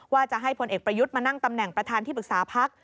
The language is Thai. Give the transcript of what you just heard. ว่าจะให้พลเอกประยุทธ์มานั่งตำแหน่งประธานที่ปรึกษาพัก